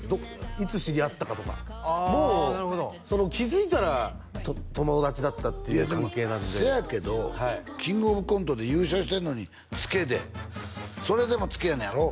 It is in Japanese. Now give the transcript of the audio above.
いつ知り合ったかとかもう気づいたら友達だったっていう関係なのでせやけど「キングオブコント」で優勝してんのにツケでそれでもツケやねんやろ？